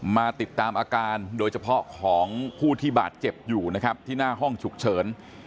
มาติดตามอาการโดยเฉพาะของผู้ที่บาดเจ็บอยู่นะครับที่หน้าห้องฉุกเฉิน